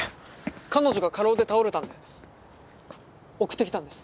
彼女が過労で倒れたんで送ってきたんです。